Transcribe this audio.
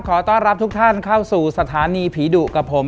ขอต้อนรับทุกท่านเข้าสู่สถานีผีดุกับผม